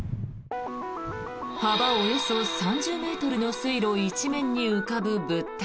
幅およそ３０ｍの水路一面に浮かぶ物体。